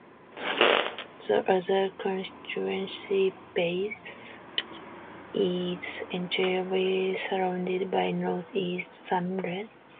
The other constituency, Bath is entirely surrounded by North East Somerset.